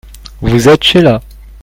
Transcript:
Vous êtes Sheila.